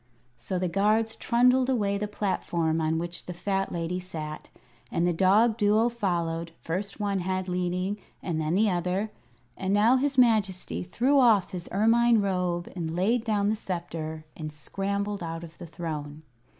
So the guards trundled away the platform on which the fat lady sat, and the dog Duo followed, first one head leading, and then the other. And now his Majesty threw off his ermine robe and laid down the sceptre and scrambled out of the throne.